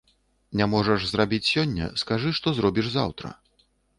Не можаш зрабіць сёння, скажы, што зробіш заўтра.